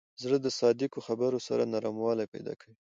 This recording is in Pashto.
زړه د صادقو خبرو سره نرموالی پیدا کوي.